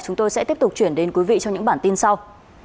chúng tôi sẽ tiếp tục chuyển đến quý vị trong những bản tin sau